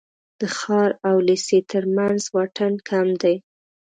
د ښار او لېسې تر منځ واټن کم دی.